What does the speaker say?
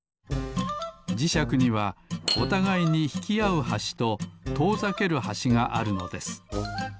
じしゃくにはおたがいにひきあうはしととおざけるはしがあるのです。